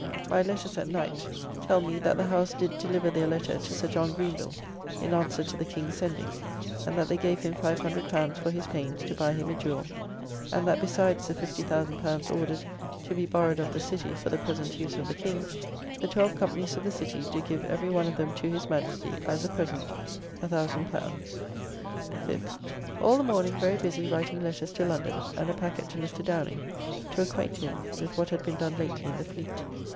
My letters at night tell me, that the House did deliver their letter to Sir John Greenville, in answer to the King's sending, and that they give him L500 for his pains, to buy him a jewel, and that besides the L50,000 ordered to be borrowed of the City for the present use of the King, the twelve companies of the City do give every one of them to his Majesty, as a present, L1000. 5th. All the morning very busy writing letters to London, and a packet to Mr. Downing, to acquaint him with what had been done lately in the fleet.